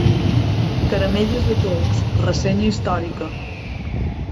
Caramelles de Tous, ressenya històrica.